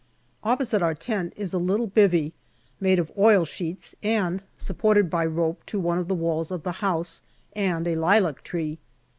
Opposite our tent is a little " bivvy/' made of oil sheets and supported by rope to one of the walls of the house and a lilac tree.